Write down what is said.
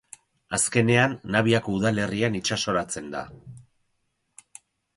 Azkenean, Naviako udalerrian itsasoratzen da.